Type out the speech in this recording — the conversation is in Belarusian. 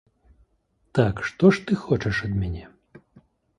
Так, што ж ты хочаш ад мяне?